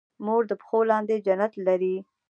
مور د پښو لاندې جنت لري